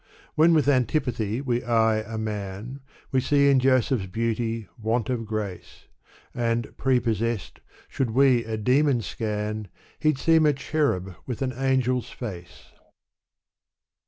When with antii>ath7 we eye a man, We see in Joseph's beauty, want of grace : And, prepossessed, should we a demon scan. He'd seem a cherub with an angel's hct.